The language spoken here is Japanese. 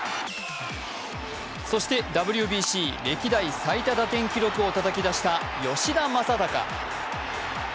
そしてＷＢＣ歴代最多打点記録をたたき出した吉田正尚。